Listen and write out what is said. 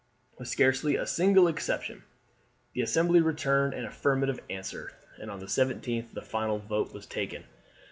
With scarcely a single exception, the Assembly returned an affirmative answer, and on the 17th the final vote was taken.